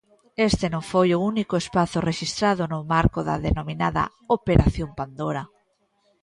Este non foi o único espazo rexistrado no marco da denominada 'Operación Pandora'.